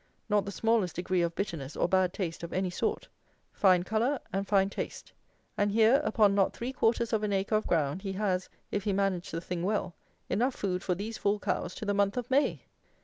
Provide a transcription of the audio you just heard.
Not the smallest degree of bitterness or bad taste of any sort. Fine colour and fine taste. And here, upon not three quarters of an acre of ground, he has, if he manage the thing well, enough food for these four cows to the month of May!